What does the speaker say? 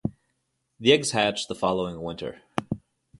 The eggs hatch the following winter.